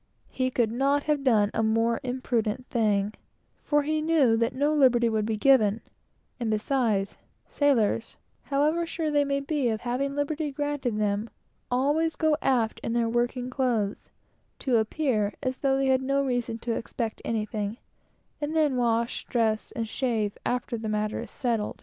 He could not have done a more imprudent thing; for he knew that no liberty would be given; and besides, sailors, however sure they may be of having liberty granted them always go aft in their working clothes, to appear as though they had no reason to expect anything, and then wash, dress, and shave, after they get their liberty.